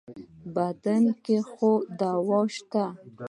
بدن کې خو يې دوا شته.